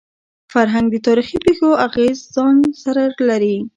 فرهنګ د تاریخي پېښو اغېز ځان سره لري.